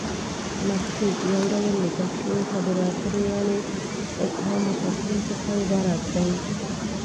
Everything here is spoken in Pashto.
مکتوب: یو ډول ليکل شويو خبرو اترو یعنې فهام وتفهيم څخه عبارت دی